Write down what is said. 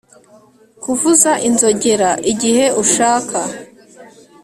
Kuvuza inzogera igihe ushaka